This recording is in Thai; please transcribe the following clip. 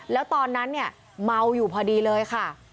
แล้วตอนนั้นเนี่ยเมาอยู่พอดีเลยค่ะ